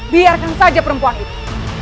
biarkan saja perempuan itu